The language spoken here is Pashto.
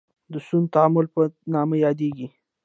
د سون تعامل په نامه یادیږي.